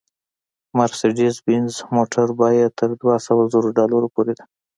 مارسېډیز بینز موټر بیه تر دوه سوه زرو ډالرو پورې ده